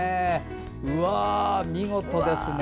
うわあ、見事ですね。